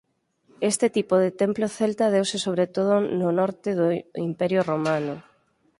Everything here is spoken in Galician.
Este tipo de templo celta deuse sobre todo no Norte do Imperio Romano.